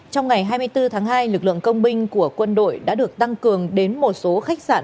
trong ngày hai mươi bốn tháng hai lực lượng công binh của quân đội đã được tăng cường đến một số khách sạn